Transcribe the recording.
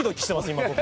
今僕。